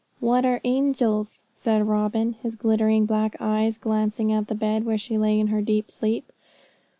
'What are angels?' asked Robin, his glittering black eyes glancing at the bed where she lay in her deep sleep.